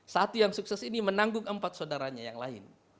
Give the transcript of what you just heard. satu yang sukses ini menanggung empat saudaranya yang lain